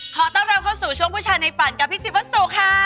ขอต้อนรับเข้าสู่ช่วงผู้ชายในฝันกับพี่จิ๊บวัสสุค่ะ